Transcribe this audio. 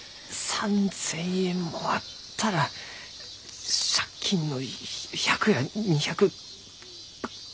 ３，０００円もあったら借金の１００や２００。